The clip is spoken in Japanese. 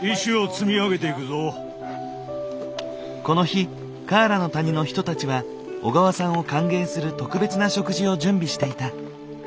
この日カアラの谷の人たちは小川さんを歓迎する特別な食事を準備していた。